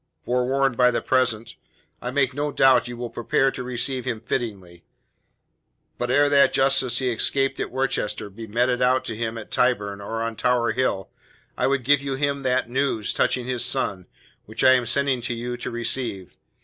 Forewarned by the present, I make no doubt you will prepare to receive him fittingly. But ere that justice he escaped at Worcester be meted out to him at Tyburn or on Tower Hill, I would have you give him that news touching his son which I am sending him to you to receive.